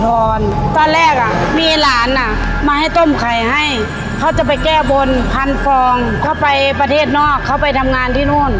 ตอนแรกอ่ะมีหลานอ่ะมาให้ต้มไข่ให้เขาจะไปแก้บนพันฟองเขาไปประเทศนอกเขาไปทำงานที่นู่น